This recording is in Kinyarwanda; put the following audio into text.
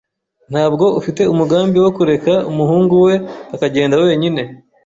ntabwo afite umugambi wo kureka umuhungu we akagenda wenyine.